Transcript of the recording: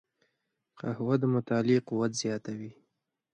قهوه د مطالعې قوت زیاتوي